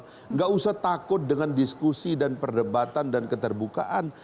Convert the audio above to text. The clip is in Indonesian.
tidak usah takut dengan diskusi dan perdebatan dan keterbukaan